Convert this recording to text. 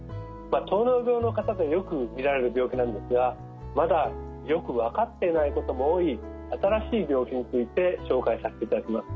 糖尿病の方でよく見られる病気なんですがまだよく分かっていないことも多い新しい病気について紹介させていただきます。